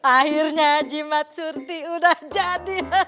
akhirnya jimat surti udah jadi